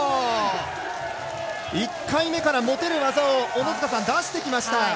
１回目から持てる技を小野塚さん、出してきました！